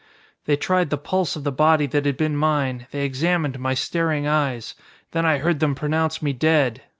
They tried the pulse of the body that had been mine, they examined my staring eyes. Then I heard them pronounce me dead.